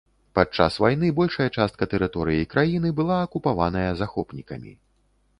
Падчас вайны большая частка тэрыторыі краіны была акупаваная захопнікамі.